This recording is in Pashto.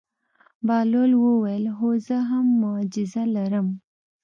بهلول وویل: هو زه هم معجزه لرم.